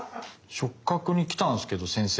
触角に来たんすけど先生。